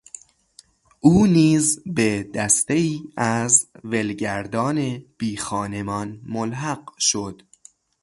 او نیز به دستهای از ولگردان بیخانمان ملحق شد.